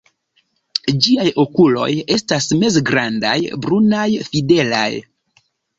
Ĝiaj okuloj estas mezgrandaj, brunaj, fidelaj.